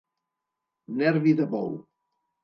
Nervi de bou.